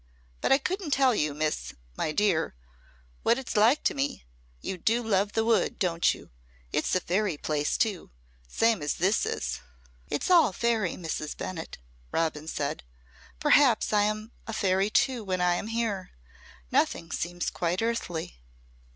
But I couldn't tell you, Miss, my dear, what it's like to me. You do love the wood, don't you? It's a fairy place too same as this is." "It's all fairy, Mrs. Bennett," Robin said. "Perhaps I am a fairy too when I am here. Nothing seems quite earthly."